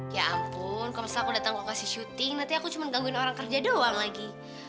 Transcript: ya ampun kalau misalnya aku datang ke lokasi syuting nanti aku cuma gangguin orang kerja doang lagi